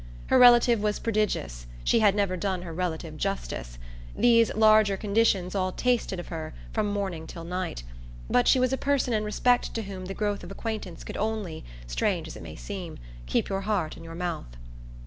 Her relative was prodigious she had never done her relative justice. These larger conditions all tasted of her, from morning till night; but she was a person in respect to whom the growth of acquaintance could only strange as it might seem keep your heart in your mouth.